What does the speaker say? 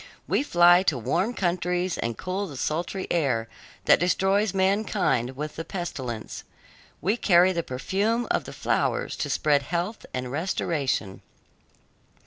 We fly to warm countries and cool the sultry air that destroys mankind with the pestilence. We carry the perfume of the flowers to spread health and restoration.